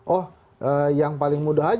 oh yang paling mudah aja